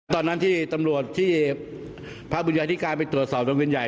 ตอนนั้นที่ตำรวจที่พระบุญญาธิการไปตรวจสอบโรงเรียนใหญ่